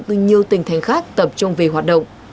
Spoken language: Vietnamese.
các đối tượng từ nhiều tình thành khác tập trung về hoạt động